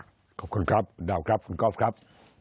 ขอบคุณครับดาวครับคุณกอล์ฟครับ